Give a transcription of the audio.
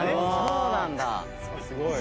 そうなんだ。